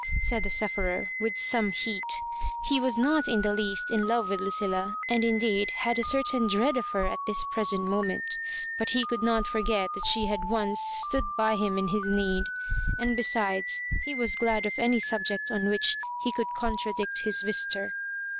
said the sufferer, with some heat. He was not in the least in love with Lucille, and indeed had a cer tain dread of her at this present moment ; but he could not forget that she had once stood by him in his need — and, besides, he was glad of any subject on which he could contradict his visitor.